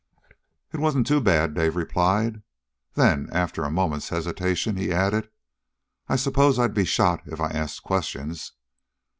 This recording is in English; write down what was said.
"It wasn't too bad," Dave replied. Then, after a moment's hesitation, he added, "I suppose I'd be shot if I asked questions?"